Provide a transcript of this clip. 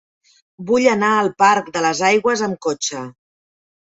Vull anar al parc de les Aigües amb cotxe.